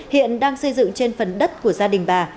hiện đang xây dựng trên phần đất của gia đình bà